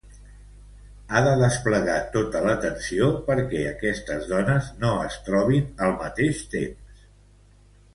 Ha de desplegar tota l'atenció perquè aquestes dones no es trobin al mateix temps.